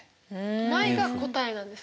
ないが答えなんですか？